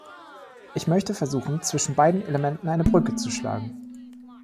Ich möchte versuchen, zwischen beiden Elementen eine Brücke zu schlagen.